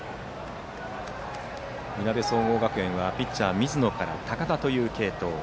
いなべ総合学園はピッチャー、水野から高田という継投。